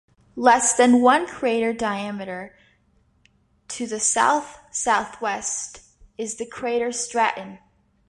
Less than one crater diameter to the south-southwest is the crater Stratton.